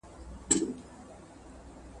ادب د دواړو په مټ ژوندی پاتې کېږي.